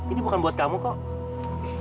ini bukan buat kamu kok